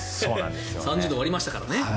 ３０度を割りましたからね。